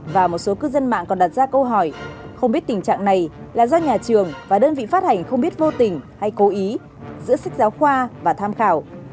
và một số cư dân mạng còn đặt ra câu hỏi không biết tình trạng này là do nhà trường và đơn vị phát hành không biết vô tình hay cố ý giữa sách giáo khoa và tham khảo